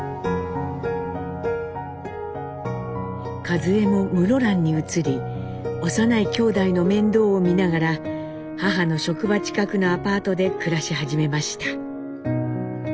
和江も室蘭に移り幼いきょうだいの面倒を見ながら母の職場近くのアパートで暮らし始めました。